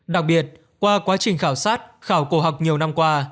đặc biệt qua quá trình khảo sát khảo cổ học nhiều năm qua